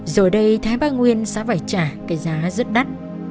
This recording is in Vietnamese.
rồi đây thái ba nguyên sẽ phải trả cái giá rất đắt